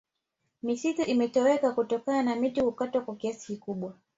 misitu imetoweka kutokana na miti kukatwa kwa kiasi kikubwa